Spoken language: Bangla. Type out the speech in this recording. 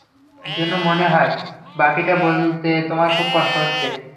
যেন মনে হয়, বাকিটা বলতে তোমার খুব কষ্ট হচ্ছে।